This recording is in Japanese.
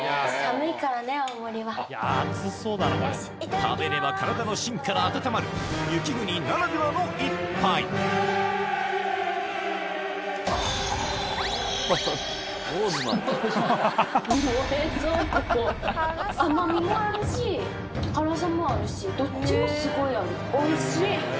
食べれば体のしんから温まる雪国ならではの１杯おいしい！